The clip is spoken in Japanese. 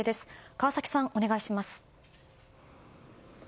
川崎さん、お願いします。